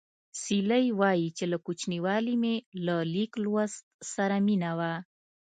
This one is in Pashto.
سیلۍ وايي چې له کوچنیوالي مې له لیک لوست سره مینه وه